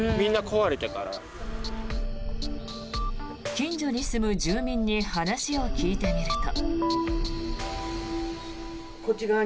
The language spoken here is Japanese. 近所に住む住民に話を聞いてみると。